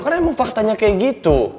karena emang faktanya kayak gitu